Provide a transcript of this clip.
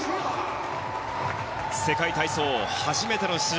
世界体操、初めての出場